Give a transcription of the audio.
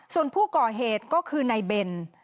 ส่วนผู้ก่อเหตุก็คือนายเบน